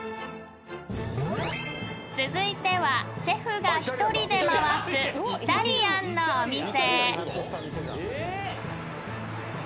［続いてはシェフが１人で回すイタリアンのお店］